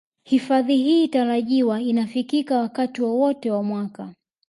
Hifadhi hii tarajiwa inafikika wakati wowote wa mwaka